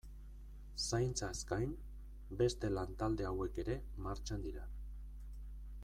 Zaintzaz gain, beste lantalde hauek ere martxan dira.